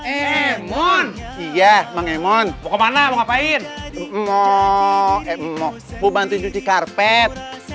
emon iya emon mau kemana mau ngapain